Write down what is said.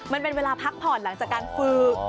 มันเป็นเวลาพักผ่อนหลังจากการฝึก